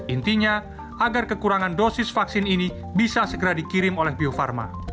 intinya agar kekurangan dosis vaksin ini bisa segera dikirim oleh bio farma